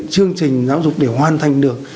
chương trình giáo dục để hoàn thành được